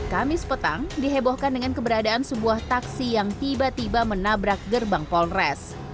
kamis petang dihebohkan dengan keberadaan sebuah taksi yang tiba tiba menabrak gerbang polres